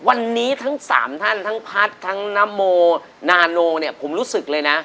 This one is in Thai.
วันนี้ทั้งสามท่านทั้งพัฒน์ทั้งนโมนาโนเนี่ยผมรู้สึกเลยนะ